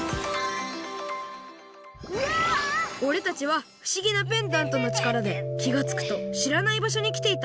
おれたちはふしぎなペンダントのちからできがつくとしらないばしょにきていた